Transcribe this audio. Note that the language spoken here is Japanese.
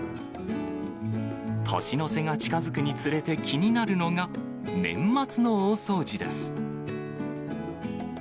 年の瀬が近づきにつれて気になるのが、年末の大掃除です。